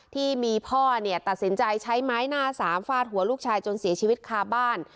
ที่มีพ่อเนี่ยตัดสินใจใช้ไม้หน้าสามฟาดหัวลูกชายจนเสียชีวิตคาบ้าน